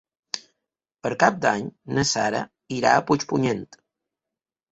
Per Cap d'Any na Sara irà a Puigpunyent.